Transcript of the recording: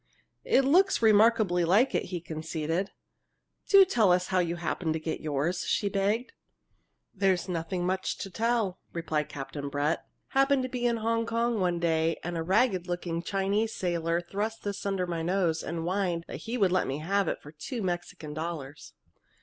"It looks remarkably like it," he conceded. "Do tell us how you happened to get yours!" she begged. "There's nothing much to tell," replied Captain Brett. "Happened to be in Hong Kong one day, and a ragged looking Chinese sailor thrust this under my nose and whined that he'd let me have it for two Mexican dollars.